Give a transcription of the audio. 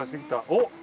おっ！